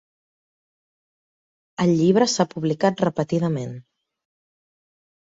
El llibre s'ha publicat repetidament.